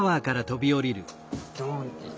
ドン！って。